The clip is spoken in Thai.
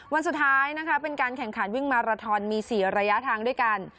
วันสุดท้ายนะคะเป็นการแข่งขันวิ่งมาราทอนมี๔ระยะทางด้วยกัน